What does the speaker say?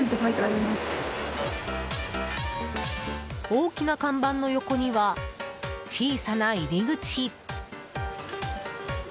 大きな看板の横には小さな入り口。